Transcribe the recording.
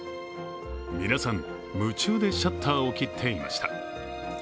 皆さん、夢中でシャッターを切っていました。